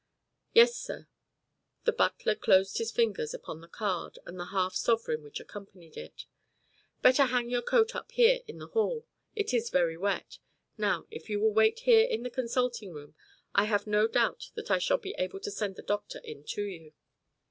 "Yes, sir." The butler closed his fingers upon the card and the half sovereign which accompanied it. "Better hang your coat up here in the hall. It is very wet. Now if you will wait here in the consulting room, I have no doubt that I shall be able to send the doctor in to you."